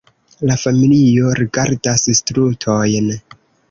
La familio rigardas strutojn: